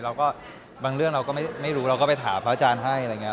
บางเรื่องเราก็ไม่รู้เราก็ไปถามพระอาจารย์ให้อะไรอย่างนี้